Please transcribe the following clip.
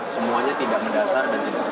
semuanya tidak mendasar dan tidak